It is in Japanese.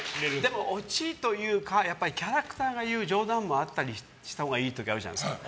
でもオチというかキャラクターが言う冗談もあったりしたほうがいい時もあるじゃないですか。